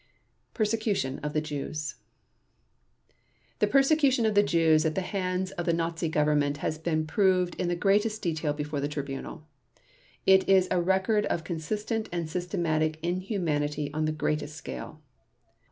Persecution of the Jews The persecution of the Jews at the hands of the Nazi Government has been proved in the greatest detail before the Tribunal. It is a record of consistent and systematic inhumanity on the greatest scale.